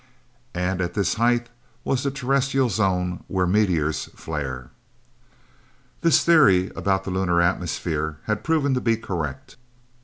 And at this height was the terrestrial zone where meteors flare! This theory about the lunar atmosphere had proven to be correct.